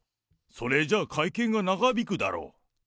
それじゃ会見が長引くだろう。